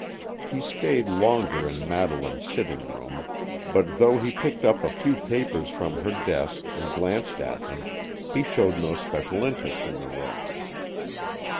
He stayed longer in Madeleine's sitting room, but, though he picked up a few papers from her desk and glanced at them, he showed no special interest in the room.